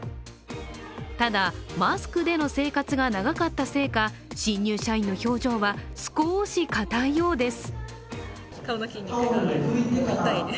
ただ、マスクでの生活が長かったせいか新入社員の表情は少し硬いようです。